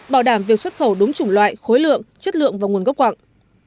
bảo đảm việc xuất khẩu đúng chủng loại khối lượng chất lượng và nguồn gốc quạng